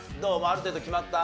ある程度決まった？